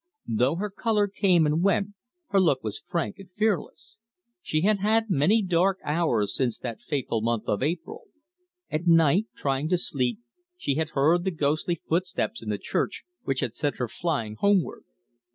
Though her colour came and went, her look was frank and fearless. She had had many dark hours since that fateful month of April. At night, trying to sleep, she had heard the ghostly footsteps in the church, which had sent her flying homeward.